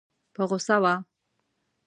په غوسه وه.